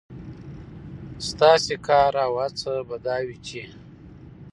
ستاسې کار او هڅه به دا وي، چې